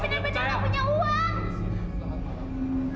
saya benar benar enggak punya uang